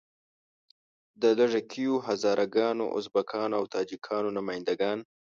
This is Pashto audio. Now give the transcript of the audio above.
د لږه کیو هزاره ګانو، ازبکانو او تاجیکانو نماینده ګان.